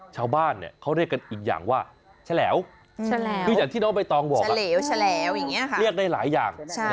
ชาวบ้านเนี่ยเขาเรียกกันอีกอย่างว่าแฉลวคืออย่างที่น้องใบตองบอกเหลวอย่างนี้ค่ะเรียกได้หลายอย่าง